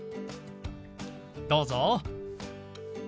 どうぞ。